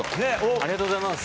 ありがとうございます！